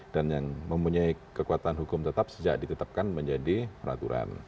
dan yang mempunyai kekuatan hukum tetap sejak ditetapkan menjadi peraturan